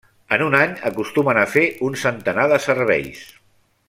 En un any acostumen a fer un centenar de serveis.